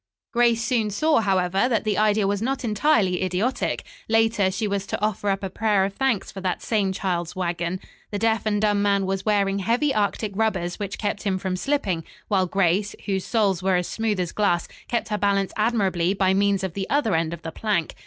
Grace soon saw, however, that the idea was not entirely idiotic. Later she was to offer up a prayer of thanks for that same child's wagon. The deaf and dumb man was wearing heavy Arctic rubbers, which kept him from slipping; while Grace, whose soles were as smooth as glass, kept her balance admirably by means of the other end of the plank.